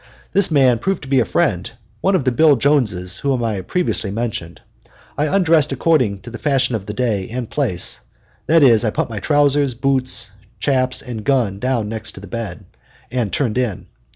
This man proved to be a friend, one of the Bill Joneses whom I have previously mentioned. I undressed according to the fashion of the day and place, that is, I put my trousers, boots, shaps, and gun down beside the bed, and turned in.